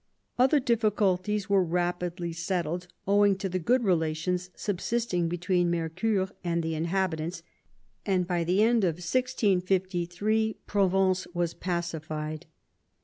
Other difficulties were rapidly settled owing to the good relations subsisting between Mercoeur and the inhabitants, and by the end of 1653 Provence was pacified.